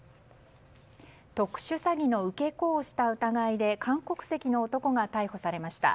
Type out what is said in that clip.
特殊詐欺の受け子をした疑いで韓国籍の男が逮捕されました。